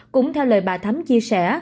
cũng theo lời bà thấm chia sẻ